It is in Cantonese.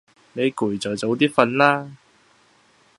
你攰就早啲瞓啦